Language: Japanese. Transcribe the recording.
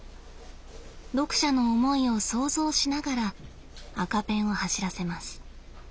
読者の思いを想像しながら赤ペンを走らせます。